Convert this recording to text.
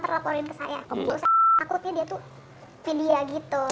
takutnya dia tuh video gitu